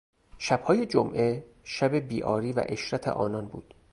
شبهای جمعه، شب بیعاری و عشرت آنان بود.